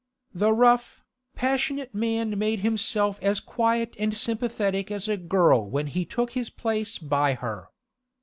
The rough, passionate man made himself as quiet and sympathetic as a girl when he took his place by her.